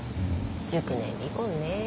熟年離婚ね。